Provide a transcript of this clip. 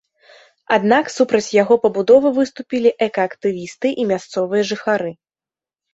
Аднак супраць яго пабудовы выступілі экаактывісты і мясцовыя жыхары.